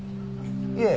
いえ。